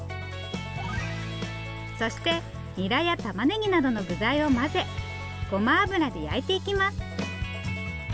そしてニラやたまねぎなどの具材を混ぜごま油で焼いていきます！